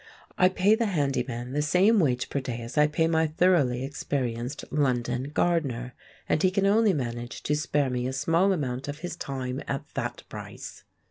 I pay the handy man the same wage per day as I pay my thoroughly experienced London gardener; and he can only manage to spare me a small amount of his time at that price.